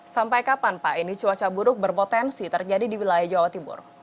sampai kapan pak ini cuaca buruk berpotensi terjadi di wilayah jawa timur